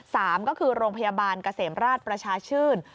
สามก็คือโรงพยาบาลเกษมราชประชาชื่น